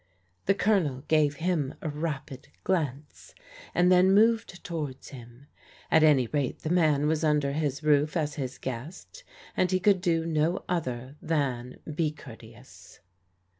The Colonel gave him a rapid glance and then moved towards him. At any rate the man was tmder his roof as his guest, and he could do no other than be courteous.